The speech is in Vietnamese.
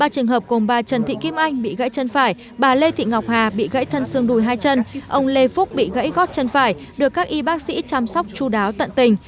ba trường hợp cùng bà trần thị kim anh bị gãy chân phải bà lê thị ngọc hà bị gãy thân xương đùi hai chân ông lê phúc bị gãy gót chân phải được các y bác sĩ chăm sóc chú đáo tận tình